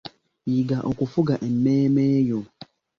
Yiga okufuga emmeeme yo.